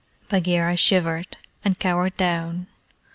Bagheera shivered, and cowered down.